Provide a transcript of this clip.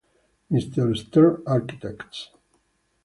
M. Stern Architects.